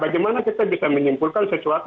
bagaimana kita bisa menyimpulkan sesuatu